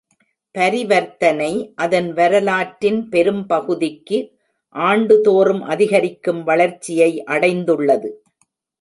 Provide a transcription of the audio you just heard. பரிவர்த்தனை அதன் வரலாற்றின் பெரும்பகுதிக்கு ஆண்டுதோறும் அதிகரிக்கும் வளர்ச்சியை அடைந்துள்ளது.